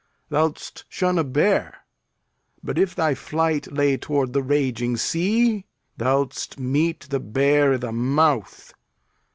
Thou'dst shun a bear; But if thy flight lay toward the raging sea, Thou'dst meet the bear i' th' mouth.